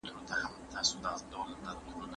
د طلاق ورکوونکي اړوند شرطونه.